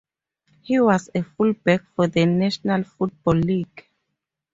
He was a fullback for the National Football League.